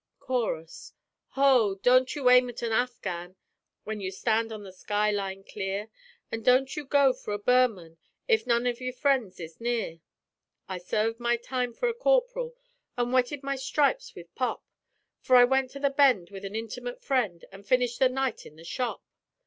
Chorus "Ho! don't you aim at a Afghan When you stand on the sky line clear; An' don't you go for a Burman If none o' your friends is near. "I served my time for a corp'ral. An' wetted my stripes with pop, For I went on the bend with a intimate friend, An' finished the night in the shop.